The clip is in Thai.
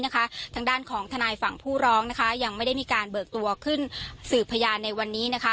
ทางด้านของทนายฝั่งผู้ร้องยังไม่ได้มีการเบิกตัวขึ้นสืบพยานในวันนี้